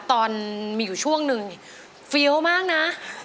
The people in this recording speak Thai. ตอนมีอยู่ช่วงหนึ่งฟิ้วมากนะ